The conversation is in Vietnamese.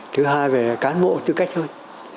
thứ hai về cán bộ tư cách hơn